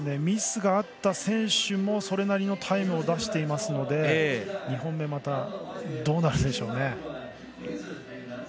ミスがあった選手もそれなりのタイムを出していますので２本目、またどうなるでしょうね。